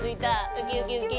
ウキウキウキ。